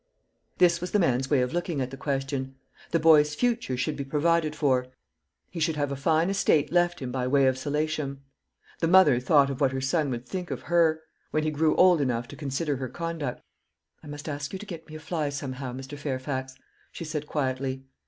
This was the man's way of looking at the question; the boy's future should be provided for, he should have a fine estate left him by way of solatium. The mother thought of what her son would think of her, when he grew old enough to consider her conduct. "I must ask you to get me a fly somehow, Mr. Fairfax," she said quietly.